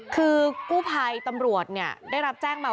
คือกุภายตำรวจได้รับแจ้งมา